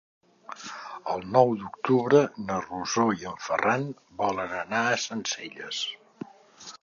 El nou d'octubre na Rosó i en Ferran volen anar a Sencelles.